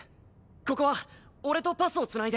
ここは俺とパスを繋いで。